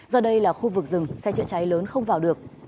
do đây là khu vực rừng xe chữa cháy lớn không vào được